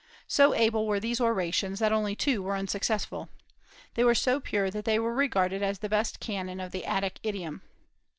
So able were these orations that only two were unsuccessful. They were so pure that they were regarded as the best canon of the Attic idiom.